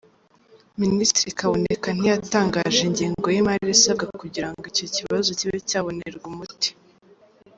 Minisitiri Kaboneka ntiyatangaje ingengo y’imari isabwa kugira ngo icyo kibazo kiba cyabonerwa umuti.